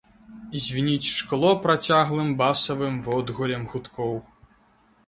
Звініць шкло працяглым басавым водгуллем гудкоў.